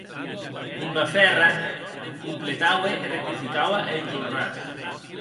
Combeferre completaue e rectificaue a Enjolras.